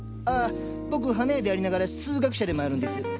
あ僕花屋でありながら数学者でもあるんです。